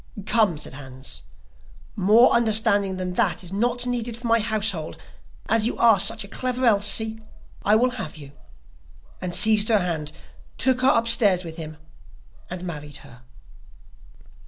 'Come,' said Hans, 'more understanding than that is not needed for my household, as you are such a clever Elsie, I will have you,' and seized her hand, took her upstairs with him, and married her.